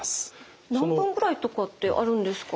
何分くらいとかってあるんですか？